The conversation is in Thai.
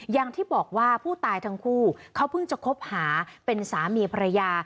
อย่างที่บอกว่าผู้ตายทั้งคู่เขาเพิ่งจะคบหาเป็นสามีภรรยา